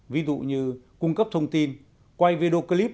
ví dụ như cung cấp thông tin quay video clip